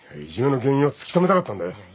いじめの原因を突き止めたかったんだよ。